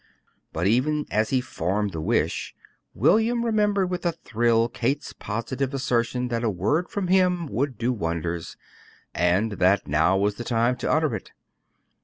But even as he formed the wish, William remembered with a thrill Kate's positive assertion that a word from him would do wonders, and that now was the time to utter it.